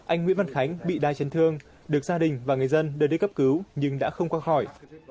anh nguyễn văn khánh bị đai chân thương được gia đình và người dân đưa đến cấp cứu nhưng đã không qua khỏi